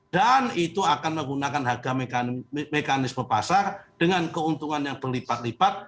dan itu akan menggunakan harga mekanisme pasar dengan keuntungan yang berlipat lipat